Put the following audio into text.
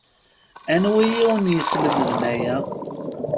Anwi i wen-yeslemden aya?